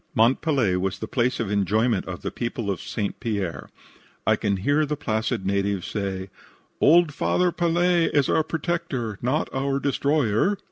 Mont Pelee was the place of enjoyment of the people of St. Pierre. I can hear the placid natives say: "Old Father Pelee is our protector not our destroyer."